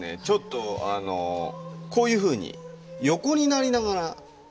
ちょっとあのこういうふうに横になりながら。